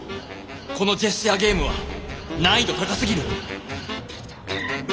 このジェスチャーゲームは難易度高すぎる！